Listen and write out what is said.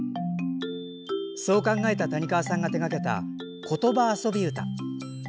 そう考えた谷川さんが手掛けた「ことばあそびうた」。